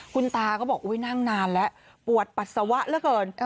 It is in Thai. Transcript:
คุณตาก็บอกนั่งนานแล้วปวดปัสสาวะเหลือเกิน